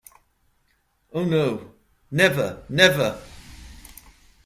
Oh no - never, never!